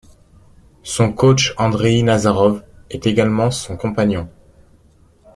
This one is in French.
Son coach Andrei Nazarov est également son compagnon.